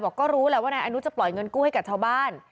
บอกก็รู้แล้วว่านะอันนู้นจะปล่อยเงินกู้ให้กับชาวบ้าน